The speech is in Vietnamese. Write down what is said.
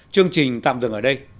chương trình tạm dừng ở đây